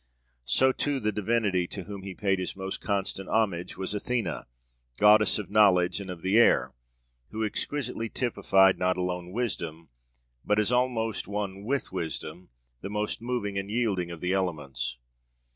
So too, that divinity to whom he paid his most constant homage was Athena, goddess of knowledge and of the air, who exquisitely typified, not alone wisdom, but, as almost one with wisdom, the most moving and yielding of the elements.